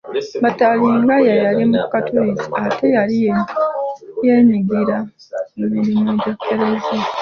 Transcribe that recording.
Bataringaya yali Mukatoliki ate yali yeenyigira mu mirimu gya Eklezia